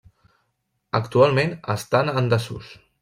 Actualment estan en desús.